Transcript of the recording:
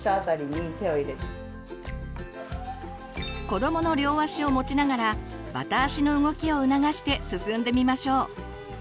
子どもの両足を持ちながらバタ足の動きを促して進んでみましょう。